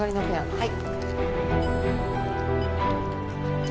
はい。